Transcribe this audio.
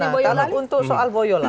nah kalau untuk soal boyo lali